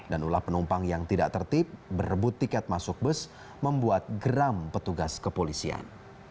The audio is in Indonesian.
dan ulah penumpang yang tidak tertip berebut tiket masuk bus membuat geram petugas kepolisian